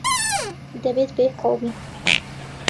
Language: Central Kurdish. دەبێت بەیەکەوە بین.